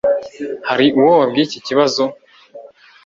Hari uwo wabwiye iki kibazo?